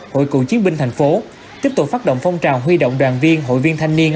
hội cựu chiến binh thành phố tiếp tục phát động phong trào huy động đoàn viên hội viên thanh niên